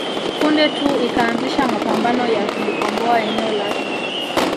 Punde tu ikaanzisha mapambano ya kulikomboa eneo lake